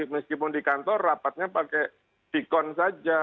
meskipun di kantor rapatnya pakai dikon saja